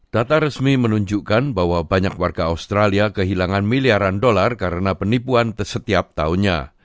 data resmi menunjukkan bahwa banyak warga australia kehilangan miliaran dolar karena penipuan setiap tahunnya